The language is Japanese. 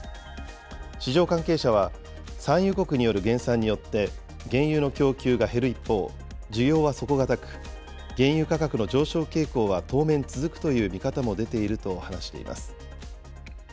市場関係者は、産油国による減産によって、原油の供給が減る一方、需要は底堅く、原油価格の上昇傾向は当面続くという見方も出ていると話しています。